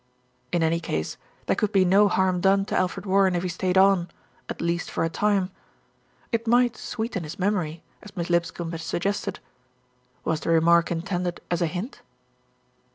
In any case there could be no harm done to Alfred Warren if he stayed on, at least for a time. It might "sweeten his memory," as Miss Lipscombe had sug gested. Was the remark intended as a hint?